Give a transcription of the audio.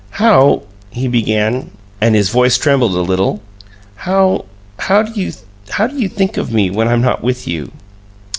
"How " he began, and his voice trembled a little. "How how do you how do you think of me when I'm not with you?"